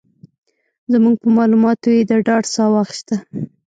زموږ په مالوماتو یې د ډاډ ساه واخيسته.